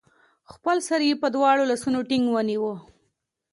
خپل سر يې په دواړو لاسونو ټينګ ونيوه